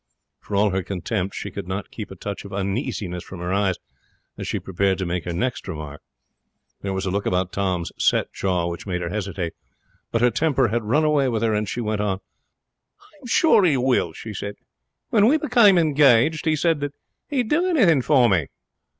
For all her contempt, she could not keep a touch of uneasiness from her eyes as she prepared to make her next remark. There was a look about Tom's set jaw which made her hesitate. But her temper had run away with her, and she went on. 'I am sure he will,' she said. 'When we became engaged he said that he would do anything for me.'